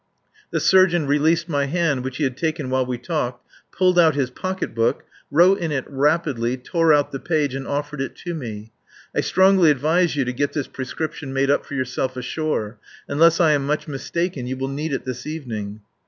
The surgeon released my hand, which he had taken while we talked, pulled out his pocket book, wrote in it rapidly, tore out the page and offered it to me. "I strongly advise you to get this prescription made up for yourself ashore. Unless I am much mistaken you will need it this evening."